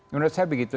menurut saya begitu